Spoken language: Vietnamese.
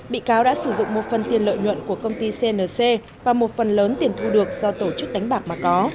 bị cáo đã sử dụng một phần tiền lợi nhuận của công ty cnc và một phần lớn tiền thu được do tổ chức đánh bạc mà có